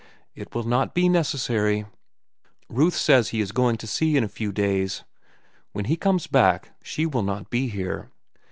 "It will not be necessary. Ruth says he is going to sea in a few days. When he comes back, she will not be here.